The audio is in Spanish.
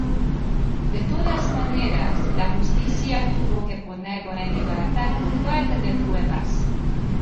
De todas maneras, la justicia tuvo que ponerlo en libertad por falta de pruebas.